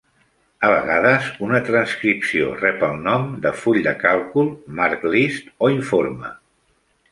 A vegades, una transcripció rep el nom de full de càlcul, marklist o informe.